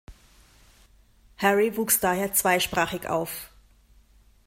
Harry wuchs daher zweisprachig auf.